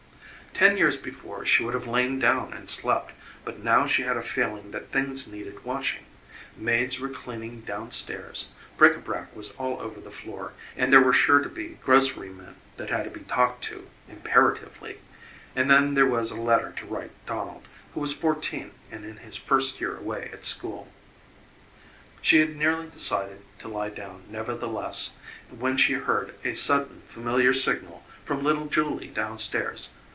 Ten years before she would have lain down and slept, but now she had a feeling that things needed watching: maids were cleaning down stairs, bric √Ý brac was all over the floor, and there were sure to be grocery men that had to be talked to imperatively and then there was a letter to write Donald, who was fourteen and in his first year away at school. She had nearly decided to lie down, nevertheless, when she heard a sudden familiar signal from little Julie down stairs.